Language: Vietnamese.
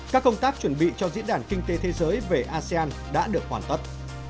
các công tác chuẩn bị cho diễn đàn kinh tế thế giới về asean đã được hoàn tất